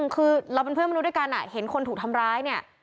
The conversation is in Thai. คือเราเป็นเพื่อนมนุษย์ด้วยกันเห็นคนถูกทำร้ายเนี่ย